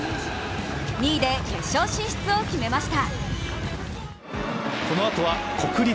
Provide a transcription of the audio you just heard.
２位で決勝進出を決めました。